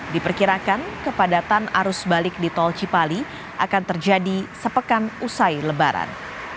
diperkirakan kepadatan arus balik di tol cipali akan terjadi sepekan usai lebaran